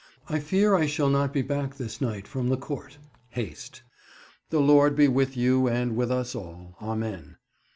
I feare I shall nott be backe thys night ffrom the Cowrte. Haste. The Lorde be with yow and with vs all, amen.